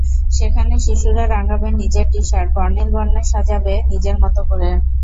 সেখানে শিশুরা রাঙাবে নিজের টি-শার্ট, বর্ণিল বর্ণে সাজাবে নিজের মতো করে।